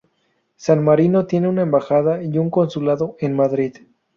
San Marino tiene una embajada y un consulado en Madrid.